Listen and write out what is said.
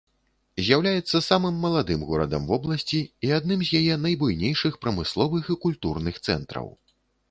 З'яўляецца самым маладым горадам вобласці і адным з яе найбуйнейшых прамысловых і культурных цэнтраў.